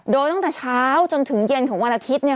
โดยตั้งแต่เช้าจนถึงเย็นของวันอาทิตย์เนี่ย